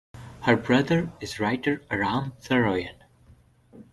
Her brother is writer Aram Saroyan.